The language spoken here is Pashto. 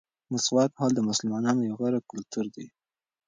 مسواک وهل د مسلمانانو یو غوره کلتور دی.